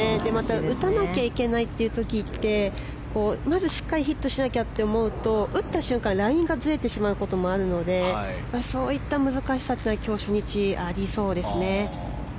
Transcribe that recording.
打たなきゃいけない時ってまず、しっかりヒットしなきゃって思うと打った瞬間、ラインがずれてしまうこともあるのでそういった難しさというのは今日初日、ありそうですね。